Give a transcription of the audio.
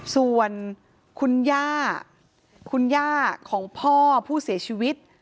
ส่วนคุณย่าคุณย่าของพ่อผู้เสียชีวิต